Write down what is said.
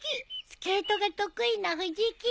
スケートが得意な藤木！